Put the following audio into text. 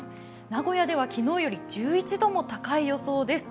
名古屋では昨日より１１度も高い予想です。